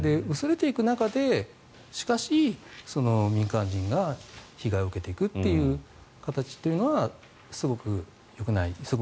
薄れていく中で、しかし民間人が被害を受けていくという形というのはすごくよくない。